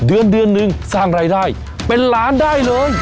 เดือนนึงสร้างรายเป็นล้านได้เลย